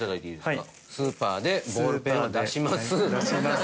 スーパーでボールペンを出します。